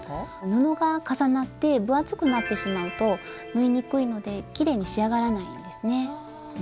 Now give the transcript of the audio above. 布が重なって分厚くなってしまうと縫いにくいのできれいに仕上がらないんですね。